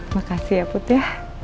makasih ya put ya